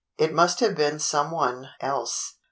It must have been some one else.